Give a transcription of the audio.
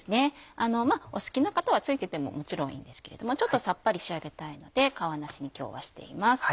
お好きな方は付いててももちろんいいんですけれどちょっとさっぱり仕上げたいので皮なしに今日はしています。